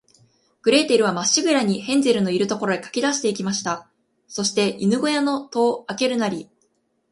グレーテルは、まっしぐらに、ヘンゼルのいる所へかけだして行きました。そして、犬ごやの戸をあけるなり、